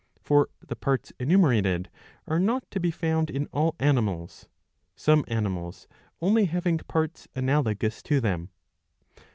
For the parts enumerated are not to be found in all animals, some animals only having parts analogous to them.